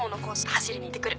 走りに行って来る。